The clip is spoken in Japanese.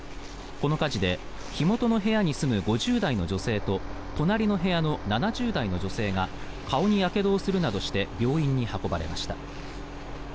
この火事で火元の部屋に住む５０代の女性と隣の部屋の７０代の女性が顔にやけどをするなどして病院に運ばれました。